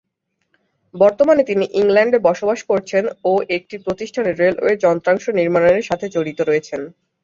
বর্তমানে তিনি ইংল্যান্ডে বসবাস করছেন ও একটি প্রতিষ্ঠানে রেলওয়ের যন্ত্রাংশ নির্মাণের সাথে জড়িত রয়েছেন।